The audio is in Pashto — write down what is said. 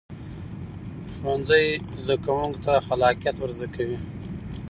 ښوونځی زده کوونکو ته خلاقیت ورزده کوي